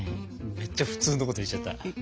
めっちゃ普通のこと言っちゃった。